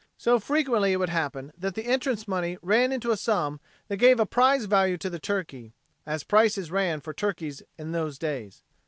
So frequently it would happen that the entrance money ran into a sum that gave a prize value to the turkey, as prices ran for turkeys in those days.